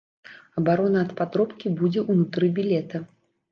Абарона ад падробкі будзе ўнутры білета.